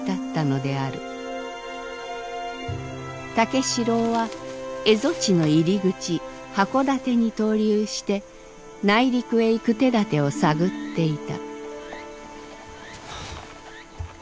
武四郎は蝦夷地の入り口箱館に逗留して内陸へ行く手だてを探っていた。